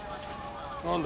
何だ？